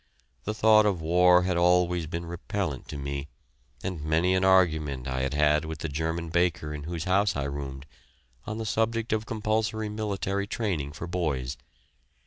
The thought of war had always been repellent to me, and many an argument I had had with the German baker in whose house I roomed, on the subject of compulsory military training for boys.